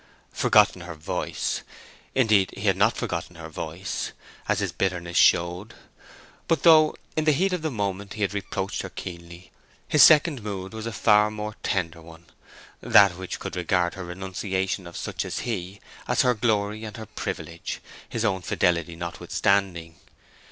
Forgotten her voice! Indeed, he had not forgotten her voice, as his bitterness showed. But though in the heat of the moment he had reproached her keenly, his second mood was a far more tender one—that which could regard her renunciation of such as he as her glory and her privilege, his own fidelity notwithstanding.